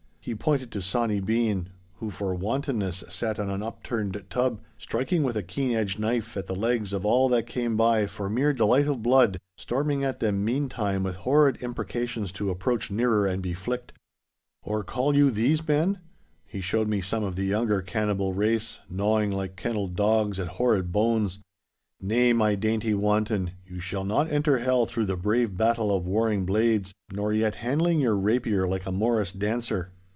(He pointed to Sawny Bean, who for wantonness sat on an upturned tub, striking with a keen edged knife at the legs of all that came by for mere delight of blood, storming at them meantime with horrid imprecations to approach nearer and be flicked.) 'Or call you these men?' (He showed me some of the younger cannibal race gnawing like kennelled dogs at horrid bones.) 'Nay, my dainty wanton, you shall not enter Hell through the brave brattle of warring blades, nor yet handling your rapier like a morris dancer.